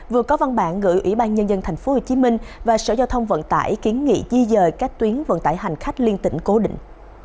vừa có văn bản gửi ủy ban nhân dân tp hcm và sở giao thông vận tải kiến nghị di dời các tuyến vận tải hành khách liên tỉnh cố định